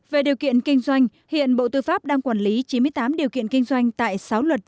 về điều kiện kinh doanh hiện bộ tư pháp đang quản lý chín mươi tám điều kiện kinh doanh tại sáu luật